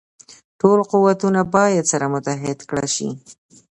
ټول قوتونه باید سره متحد کړه شي.